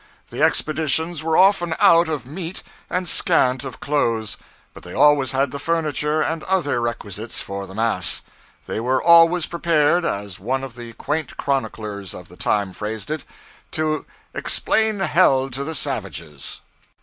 The expeditions were often out of meat, and scant of clothes, but they always had the furniture and other requisites for the mass; they were always prepared, as one of the quaint chroniclers of the time phrased it, to 'explain hell to the savages.'